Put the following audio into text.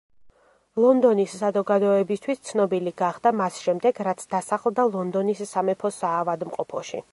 ლონდონის საზოგადოებისთვის ცნობილი გახდა მას შემდეგ, რაც დასახლდა ლონდონის სამეფო საავადმყოფოში.